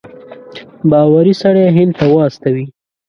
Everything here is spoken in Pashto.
باوري سړی هند ته واستوي.